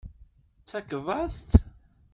Tfakkeḍ-as-tt.